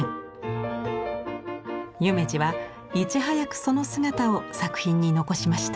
夢二はいち早くその姿を作品に残しました。